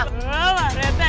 oh pak rete